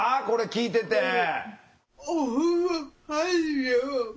これ聞いてて。